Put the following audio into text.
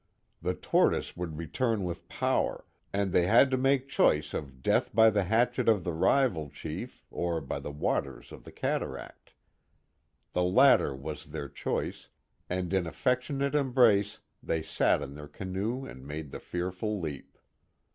The Tortoise would return with power, and they had to make choice of death by the hatchet of the rival chief or by the waters of the cataract. The latter was their choice, and in affectionate embrace they sat in their canoe and made the fearful leap.